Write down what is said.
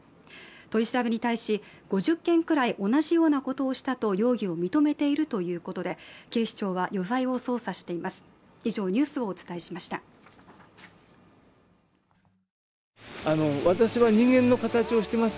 取り調べに対し、５０件くらい同じようなことをしたと容疑を認めているということで、警視庁は余罪を捜査しています。